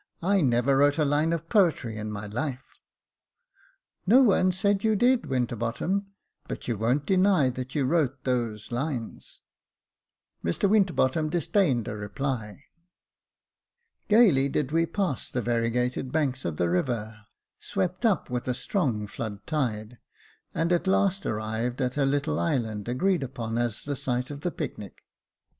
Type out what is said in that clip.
" I never wrote a line of poetry in my life," " No one said you did, Winterbottom ; but you won't deny that you wrote those lines." Mr Winterbottom disdained a reply. Gaily did we pass the variegated banks of the river, swept up with a strong flood tide, and at last arrived at a little island agreed upon as the site of the picnic.